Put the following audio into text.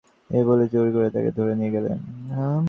এই বলে জোর করে তাকে ধরে নিয়ে গেলেন।